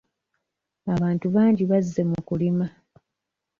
Abantu bangi bazze mu kulima.